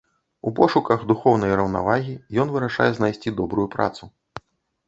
У пошуках духоўнай раўнавагі ён вырашае знайсці добрую працу.